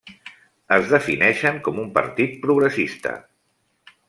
Es defineixen com un partit progressista.